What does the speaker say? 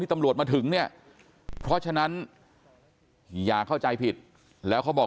ตำรวจมาถึงเนี่ยเพราะฉะนั้นอย่าเข้าใจผิดแล้วเขาบอก